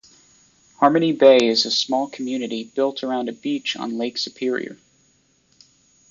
Harmony Bay is a small community built around a beach on Lake Superior.